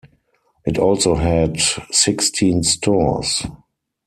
It also had sixteen stores.